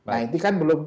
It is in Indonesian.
nah itu kan belum